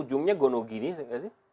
ujungnya gonogini saya kira sih